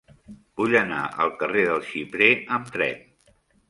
Vull anar al carrer del Xiprer amb tren.